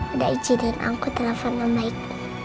udah izinin aku telepon om baik